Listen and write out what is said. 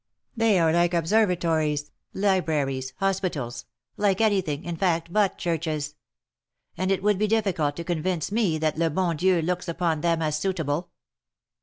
They are like Observatories, Libraries, Hospitals — like anything, in fact, but Churches; and it would be difficult to convince me that le bon Dieu looks ^ upon them as suitable.